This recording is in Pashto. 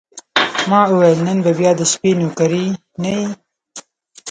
ما وویل: نن به بیا د شپې نوکري نه یې؟